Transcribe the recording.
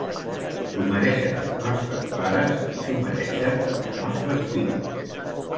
S'ho mereixien els nostres pares i s'ho mereixen els nostres fills.